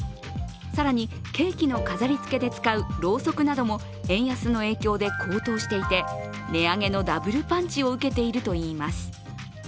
更にケーキの飾りつけで使うろうそくなども円安の影響で高騰していて、値上げのダブルパンチを受けているといいます。